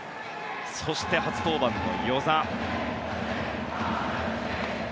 そして初登板の與座。